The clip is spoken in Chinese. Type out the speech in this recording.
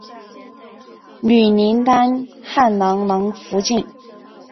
女林丹汗囊囊福晋。